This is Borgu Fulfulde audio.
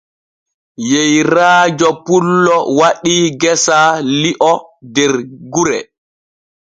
Yeyraajo pullo waɗii gesaa li'o der gure.